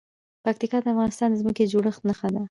پکتیا د افغانستان د ځمکې د جوړښت نښه ده.